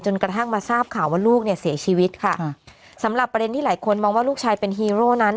กระทั่งมาทราบข่าวว่าลูกเนี่ยเสียชีวิตค่ะสำหรับประเด็นที่หลายคนมองว่าลูกชายเป็นฮีโร่นั้น